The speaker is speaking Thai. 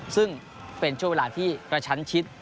ซึ่งเป็นช่วงเวลาที่กระชั้นชิด